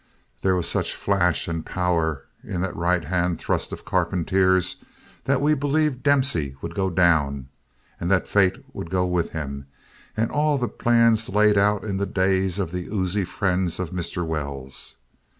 There was such flash and power in the right hand thrust of Carpentier's that we believed Dempsey would go down, and that fate would go with him and all the plans laid out in the days of the oozy friends of Mr. Wells.